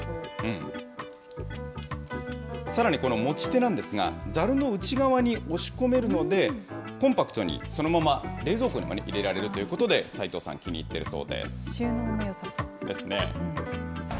さらにこの持ち手なんですが、ざるの内側に押し込めるので、コンパクトにこのまま冷蔵庫に入れられるということで、齋藤さん、気収納もよさそう。